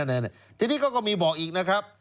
เออนั่นทีนี้เขาก็มีบอกอีกนะครับ